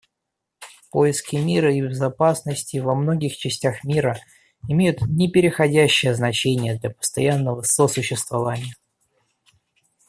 Поиски мира и безопасности во многих частях мира имеют непреходящее значение для постоянного сосуществования.